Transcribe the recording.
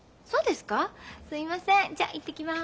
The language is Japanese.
すいませんじゃ行ってきます。